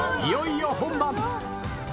いよいよ本番。